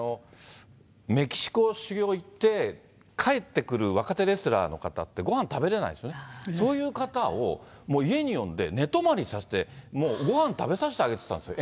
メキシコ修業行って、帰ってくる若手レスラーの方ってごはん食べれないですよね、そういう方を家に呼んで、寝泊まりさせて、ごはん食べさせてあげてたんですよ。